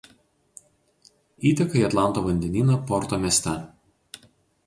Įteka į Atlanto vandenyną Porto mieste.